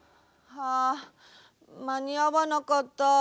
はあまにあわなかった。